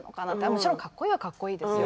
もちろん、かっこいいはかっこいいですよ。